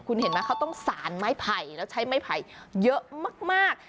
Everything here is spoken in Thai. คุณเห็นไหมเขาต้องสารไม้ไผ่แล้วใช้ไม้ไผ่เยอะมาก